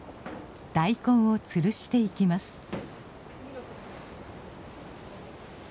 大根をつるしていきます。